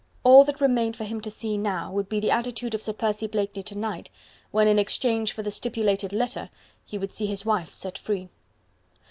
All that remained for him to see now, would be the attitude of Sir Percy Blakeney to night, when, in exchange for the stipulated letter, he would see his wife set free.